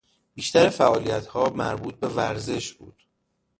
بیشتر فعالیتها مربوط به ورزش بود.